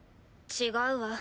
違うわ。